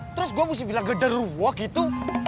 terus gue mesti bilang gak ada ruang gitu